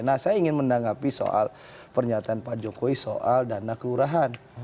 nah saya ingin menanggapi soal pernyataan pak jokowi soal dana kelurahan